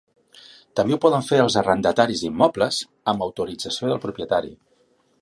També ho poden fer els arrendataris d’immobles amb autorització del propietari.